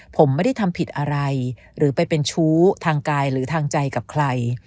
ผมไม่ได้ทำผิดอะไรหรือไปเป็นชู้ทางกายหรือทางใจกับใคร